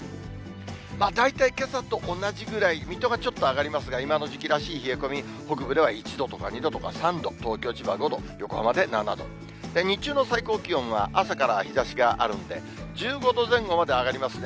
大体けさと同じぐらい、水戸がちょっと上がりますが、今の時期らしい冷え込み、北部では１度とか２度とか３度、東京、千葉５度、横浜で７度、日中の最高気温は、朝から日ざしがあるんで、１５度前後まで上がりますね。